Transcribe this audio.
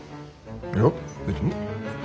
いや別に。